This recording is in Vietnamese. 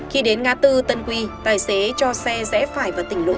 khi đến ngã tư tân quy tài xế cho xe rẽ phải vào tỉnh lộ